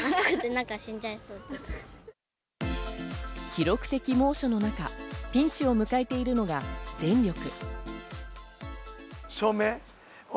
記録的猛暑の中、ピンチを迎えているのが電力。